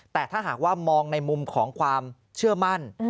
แต่ถ้าหากว่ามองในมุมของความเชื่อมั่น